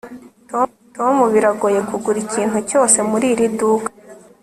tom biragoye kugura ikintu cyose muriri duka